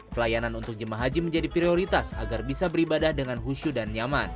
pelayanan untuk jemaah haji menjadi prioritas agar bisa beribadah dengan khusyu dan nyaman